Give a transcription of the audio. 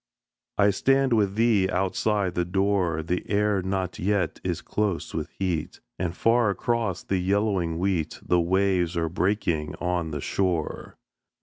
I stand with thee outside the door, The air not yet is close with heat, And far across the yellowing wheat The waves are breaking on the shore.